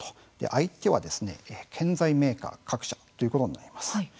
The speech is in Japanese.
相手は建材メーカー各社ということになります。